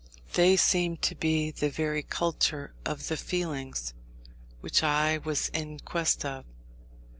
They seemed to be the very culture of the feelings, which I was in quest of.